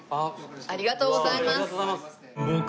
ありがとうございます。